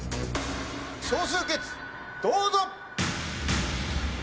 少数決どうぞ！